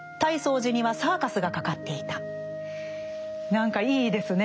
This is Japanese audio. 何かいいですねえ。